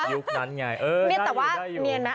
อีกนั้นไงเออได้อยู่เนี่ยแต่ว่าเนียนไหม